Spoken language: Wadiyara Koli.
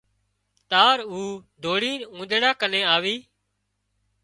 تار او ڌوڙينَ اونۮيڙا ڪنين آوي